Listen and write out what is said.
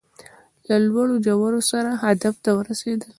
له لوړو ژورو سره هدف ته ورسېدل